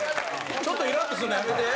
ちょっとイラッとするのやめて。